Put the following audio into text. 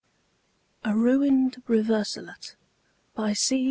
A RUINED REVERSOLET by C.